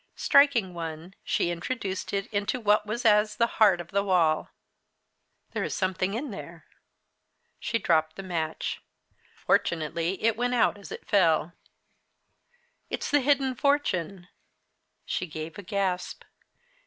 Striking one, she introduced it into what was as the heart of the wall. "There is something in there!" She dropped the match. Fortunately it went out as it fell. "It's the hidden fortune!" She gave a gasp.